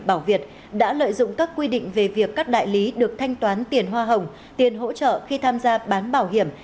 bảo việt đã lợi dụng các quy định về việc các đại lý được thanh toán tiền hoa hồng tiền hỗ trợ khi tham gia bán bảo hiểm